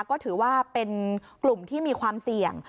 ก็ถือว่าเป็นกลุ่มที่มีความเสี่ยง